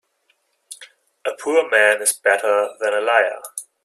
A poor man is better than a liar.